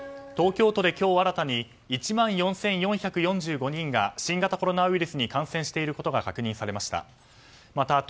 東京都で今日新たに１万４４４５人が新型コロナウイルスに感染していることが確認されました。